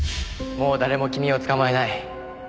もう誰も君を捕まえない。